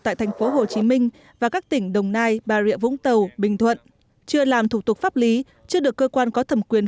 tại tp hcm và các tỉnh đồng nai bà rịa vũng tàu bình thuận chưa làm thủ tục pháp lý chưa được cơ quan có thẩm quyền